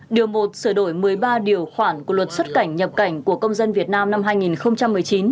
điều một sửa đổi một mươi ba điều khoản của luật xuất cảnh nhập cảnh của công dân việt nam năm hai nghìn một mươi chín